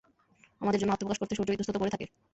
আমাদের জন্য আত্মপ্রকাশ করতে সূর্য ইতস্তত করে থাকে।